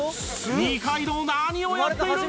二階堂何をやっているんだ！